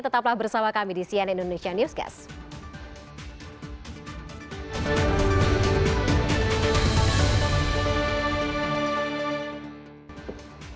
tetaplah bersama kami di sian indonesian newscast